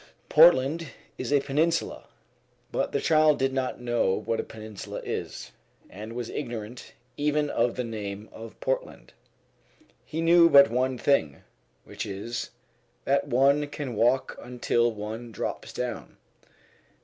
Portland is a peninsula; but the child did not know what a peninsula is, and was ignorant even of the name of Portland. He knew but one thing, which is, that one can walk until one drops down.